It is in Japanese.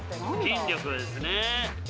筋力ですねえ。